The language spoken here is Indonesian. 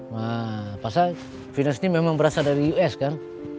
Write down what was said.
nah pas fitness ini memang berasal dari us kan